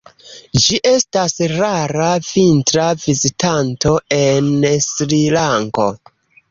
Ĝi estas rara vintra vizitanto en Srilanko.